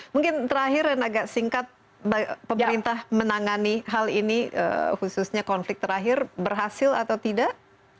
mungkin terakhir dan agak singkat pemerintah menangani hal ini khususnya konflik terakhir berhasil atau tidak